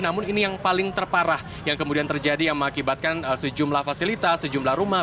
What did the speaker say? namun ini yang paling terparah yang kemudian terjadi yang mengakibatkan sejumlah fasilitas sejumlah rumah